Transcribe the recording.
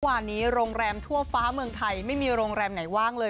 วันนี้โรงแรมทั่วฟ้าเมืองไทยไม่มีโรงแรมไหนว่างเลย